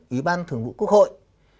ủy ban thường vụ quốc hội